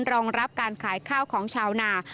รองรับการขายข้าวของชาวนา